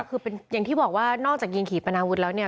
คืออย่างที่บอกว่านอกจากยิงขี่ปนาวุธแล้วเนี่ย